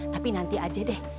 tapi nanti aja deh